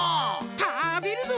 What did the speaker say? たべるぞ！